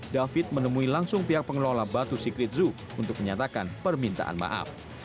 david menemui langsung pihak pengelola batu secret zoo untuk menyatakan permintaan maaf